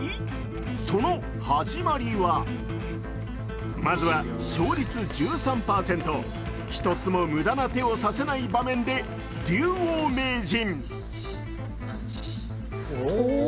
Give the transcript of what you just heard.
その始まりはまずは勝率１３％、１つも無駄な手を指せない場面で竜王名人。